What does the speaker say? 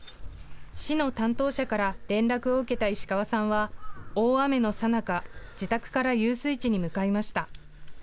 市の担当者から連絡を受けた石川さんは大雨のさなか自宅から遊水地に向かいました。